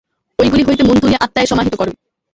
ঐগুলি হইতে মন তুলিয়া আত্মায় সমাহিত কর।